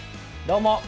どうも！